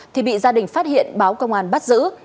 thì bị gia đình phát hiện báo công an bắt giữ